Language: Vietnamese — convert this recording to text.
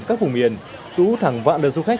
các vùng miền đủ thẳng vạn đợt du khách